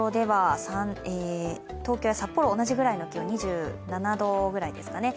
東京や札幌、同じぐらいの気温２７度ぐらいですかね。